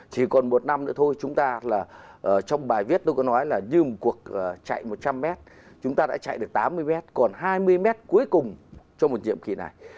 chỉ còn một năm nữa thôi trong bài viết tôi có nói là như một cuộc chạy một trăm linh mét chúng ta đã chạy được tám mươi mét còn hai mươi mét cuối cùng cho một nhiệm kỳ này